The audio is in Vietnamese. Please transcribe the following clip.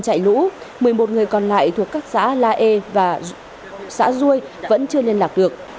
chạy lũ một mươi một người còn lại thuộc các xã la e và xã duôi vẫn chưa liên lạc được